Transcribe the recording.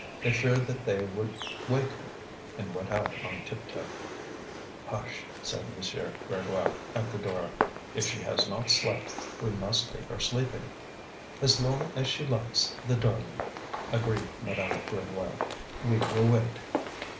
They feared that they would wake her, and went out on tiptoe. "Hush!" said M. Grégoire, at the door. "If she has not slept we must leave her sleeping." "As long as she likes, the darling!" agreed Madame Grégoire. "We will wait."